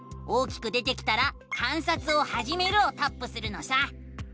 大きく出てきたら「観察をはじめる」をタップするのさ！